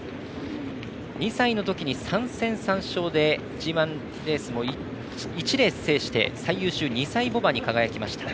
２歳のときに３戦３勝でＧＩレースも１レース制して最優秀２歳牡馬に輝きました。